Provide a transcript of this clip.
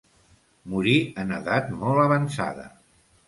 Morí en edat molt avançada.